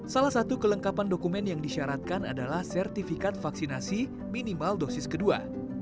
salah satu kelengkapan dokumen yang disyaratkan adalah sertifikat vaksinasi minimal dosis kedua